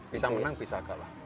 bisa menang bisa kalah